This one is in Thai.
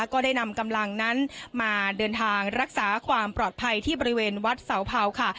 ก็ได้นำกำลังนั้นมาเดินทางรักษาความปลอดภัยที่บริเวณวัดเสาเผาค่ะ